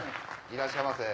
いらっしゃいませ。